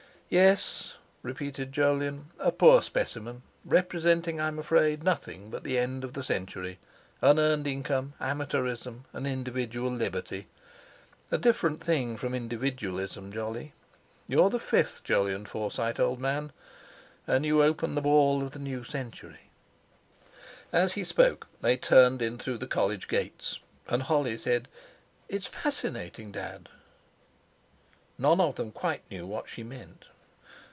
"Yes," repeated Jolyon, "a poor specimen, representing, I'm afraid, nothing but the end of the century, unearned income, amateurism, and individual liberty—a different thing from individualism, Jolly. You are the fifth Jolyon Forsyte, old man, and you open the ball of the new century." As he spoke they turned in through the college gates, and Holly said: "It's fascinating, Dad." None of them quite knew what she meant.